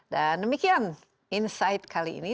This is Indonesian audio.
dan demikian insight kali ini